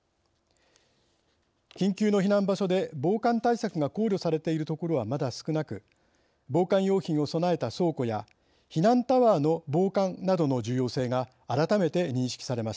緊急の避難場所で防寒対策が考慮されている所はまだ少なく防寒用品を備えた倉庫や避難タワーの防寒などの重要性が改めて認識されました。